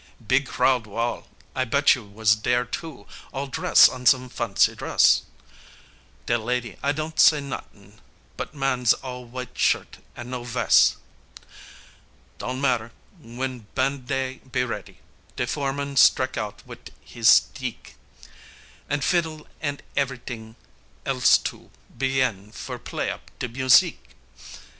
Beeg crowd, wall! I bet you was dere too, all dress on some fancy dress, De lady, I don't say not'ing, but man's all w'ite shirt an' no ves'. Don't matter, w'en ban' dey be ready, de foreman strek out wit' hees steek, An' fiddle an' ev'ryt'ing else too, begin for play up de musique.